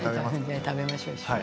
じゃあ食べましょう一緒に。